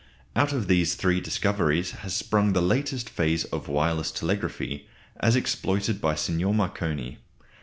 Out of these three discoveries has sprung the latest phase of wireless telegraphy, as exploited by Signor Marconi.